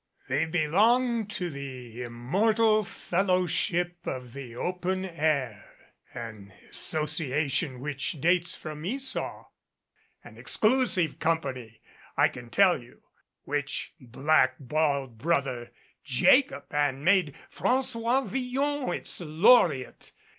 They belong to the immortal Fellowship of the Open Air, an association which dates from Esau an exclusive com pany, I can tell you, which black balled brother Jacob, and made Fra^ois Villon its laureate.